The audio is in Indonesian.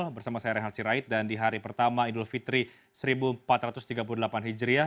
bersama saya rehat sirait dan di hari pertama idul fitri seribu empat ratus tiga puluh delapan hijriah